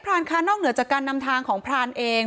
รานค่ะนอกเหนือจากการนำทางของพรานเอง